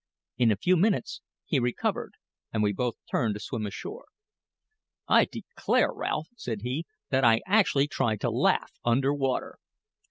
In a few minutes he recovered, and we both turned to swim ashore. "I declare, Ralph," said he, "that I actually tried to laugh under water!"